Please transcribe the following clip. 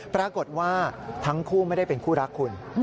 ปรากฏว่าทั้งคู่ไม่ได้เป็นคู่รักคุณ